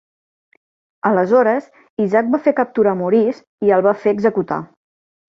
Aleshores, Isaac va fer capturar Maurice i el va fer executar.